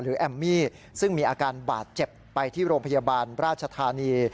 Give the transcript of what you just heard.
แอมมี่ซึ่งมีอาการบาดเจ็บไปที่โรงพยาบาลราชธานี